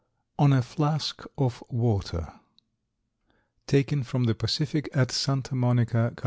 ON A FLASK OF WATER. _Taken from the Pacific at Santa Monica, Cal.